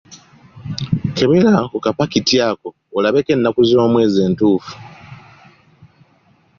Kebera ku kapakiti ako olabeko ennaku z'omwezi entuufu.